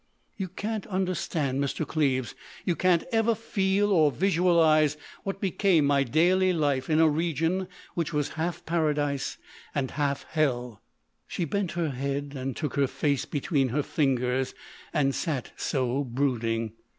You can't understand, Mr. Cleves—you can't ever feel or visualise what became my daily life in a region which was half paradise and half hell——" She bent her head and took her face between her fingers, and sat so, brooding.